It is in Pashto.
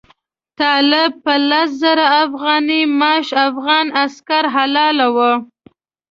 طالب په لس زره افغانۍ معاش افغان عسکر حلالاوه.